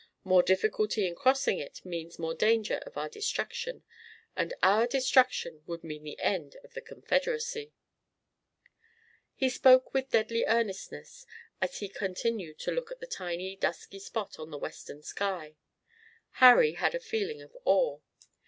More difficulty in crossing it means more danger of our destruction, and our destruction would mean the end of the Confederacy." He spoke with deadly earnestness as he continued to look at the tiny dusky spot on the western sky. Harry had a feeling of awe.